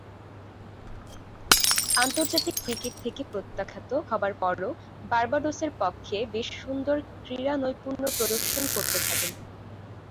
আন্তর্জাতিক ক্রিকেট থেকে প্রত্যাখ্যাত হবার পরও বার্বাডোসের পক্ষে বেশ সুন্দর ক্রীড়ানৈপুণ্য প্রদর্শন করতে থাকেন।